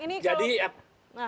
nah kang ini kalau